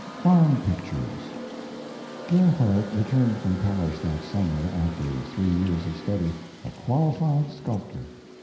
FARM PICTURES Gerhardt returned from Paris that summer, after three years of study, a qualified sculptor.